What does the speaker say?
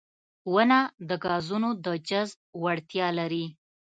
• ونه د ګازونو د جذب وړتیا لري.